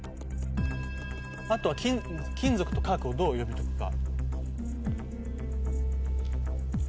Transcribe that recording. あとは金属と化学をどう読み解くか。